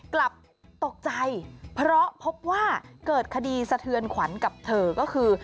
กลับตกใจเพราะพบว่าเกิดคดีสะเทือนขวัญกับเธอก็คือ